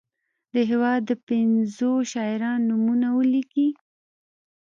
د هیواد د پنځو شاعرانو نومونه ولیکي.